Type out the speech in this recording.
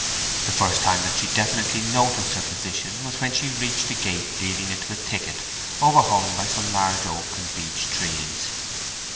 The first time that she definitely noticed her position was when she reached a gate leading into a thicket overhung by some large oak and beech trees.